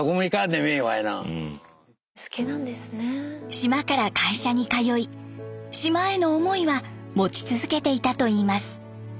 島から会社に通い島への思いは持ち続けていたといいます。